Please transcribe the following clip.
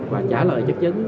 và trả lời chất dấn